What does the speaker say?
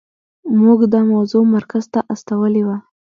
موږ دا موضوع مرکز ته استولې وه.